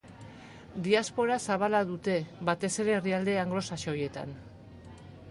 Diaspora zabala dute, batez ere herrialde anglosaxoietan.